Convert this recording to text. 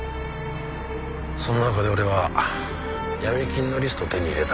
その中で俺は闇金のリストを手に入れた。